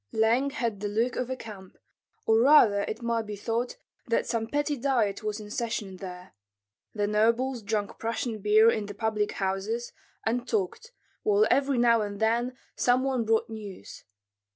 Leng had the look of a camp, or rather it might be thought that some petty diet was in session there. The nobles drank Prussian beer in the public houses, and talked, while every now and then some one brought news.